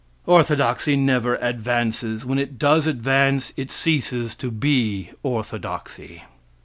Orthodoxy never advances, when it does advance, it ceases to be orthodoxy.